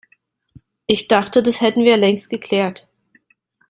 Ich dachte, das hätten wir längst geklärt.